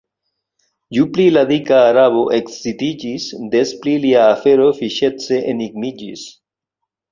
Ju pli la dika Arabo ekscitiĝis, des pli lia afero fiŝece enigmiĝis.